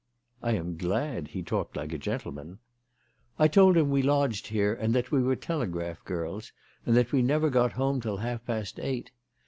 " I am glad he talked like a gentleman." "I told him we lodged here and that we were telegraph girls, and that we never got home till half past eight.